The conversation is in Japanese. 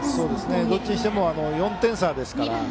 どっちにしても４点差ですから。